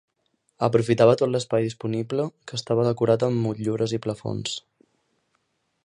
Aprofitava tot l’espai disponible, que estava decorat amb motllures i plafons.